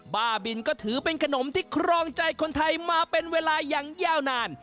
บ้าบินก็ถือเป็นขนมที่ครองใจคนไทยมาเป็นเวลาอย่างยาวนาน